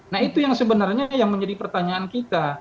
nah itu yang sebenarnya yang menjadi pertanyaan kita